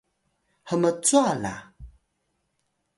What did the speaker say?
hmcwa la?